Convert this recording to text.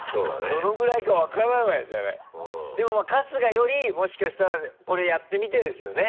どのぐらいか分からないじゃないでもまぁ春日よりもしかしたらこれやってみてですよね。